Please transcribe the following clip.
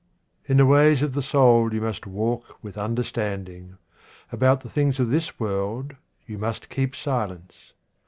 In the ways of the soul you must walk with understanding. About the things of this world you must keep silence.